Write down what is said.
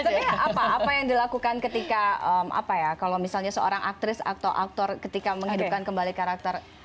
sebenarnya apa apa yang dilakukan ketika apa ya kalau misalnya seorang aktris atau aktor ketika menghidupkan kembali karakter